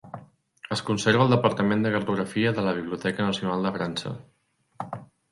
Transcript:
Es conserva al Departament de cartografia de la Biblioteca Nacional de França.